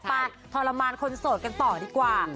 ไปทรมานคนโสดกันต่อดีกว่า